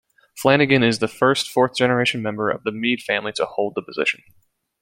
Flanagin is the first fourth-generation member of the Mead family to hold the position.